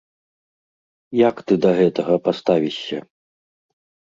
Як ты да гэтага паставішся?